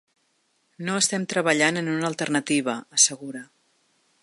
No estem treballant en una alternativa, assegura.